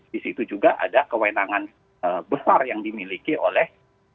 di situ juga ada kewenangan besar yang dimiliki oleh